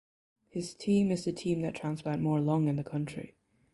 His team is the team that transplant more lung in the country.